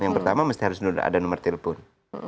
yang pertama mesti harus ada nomor telepon